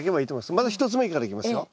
まず１つ目からいきますよ。